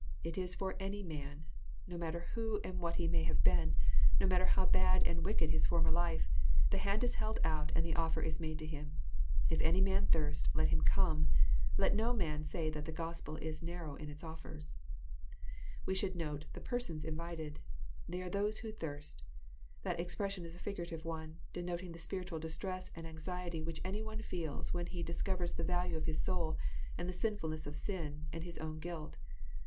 It is for " any man." No matter who aud what he may have been, — no matter how bad and wiclsed his formerjife, — the hand is held out, and the offer made to Him :—" If any man thirst, let him come. liCt no man say that theXjrospel is narrow in its offers. t» We should note the persons Invited. They are those who thirst." That expression is a figurative one, denoting the spiritual distress and anxiety which any one feels when he dis covers the value of his soul, and the sinfulness of sin, and his own guilt.